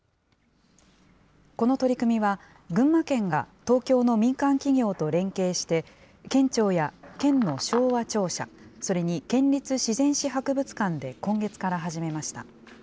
この取り組みは、群馬県が東京の民間企業と連携して、県庁や県の昭和庁舎、それに県立自然史博物館で今月から始めました。